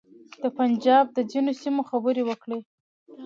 د پنجاب د ځینو سیمو خبرې وکړې.